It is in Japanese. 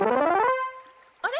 あれ？